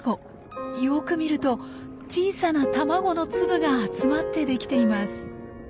よく見ると小さな卵の粒が集まって出来ています。